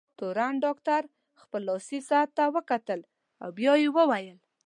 تورن ډاکټر خپل لاسي ساعت ته وکتل، بیا یې وویل: